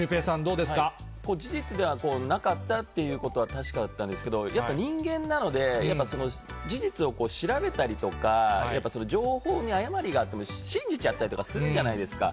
これ、事実ではなかったっていうことは確かだったんですけど、やっぱり人間なので、やっぱ事実を調べたりとか、情報に誤りがあっても信じちゃったりとかするじゃないですか。